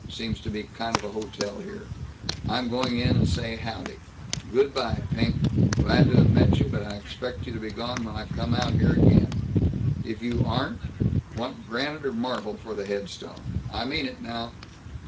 Seems to be kind of a hotel here. I'm going in and say howdy. Good by, Pink. Glad to have met you, but I expect you to be gone when I come out here again. If you aren't Want granite or marble for the headstone? I mean it, now!"